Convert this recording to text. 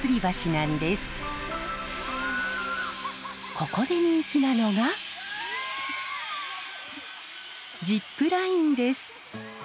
ここで人気なのがジップラインです。